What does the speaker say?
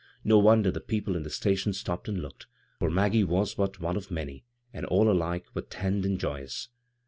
No wonder the people in the sta tion stopped and looked, for Maggie was but one of many, and all alike were tanned and joyous.